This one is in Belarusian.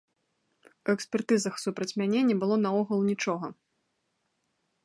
У экспертызах супраць мяне не было наогул нічога!